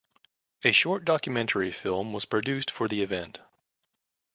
A short documentary film was produced for the event.